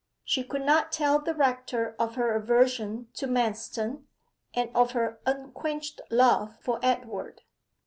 She could not tell the rector of her aversion to Manston, and of her unquenched love for Edward.